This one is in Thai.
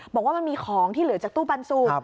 บอกว่ามันมีของที่เหลือจากตู้ปันสุก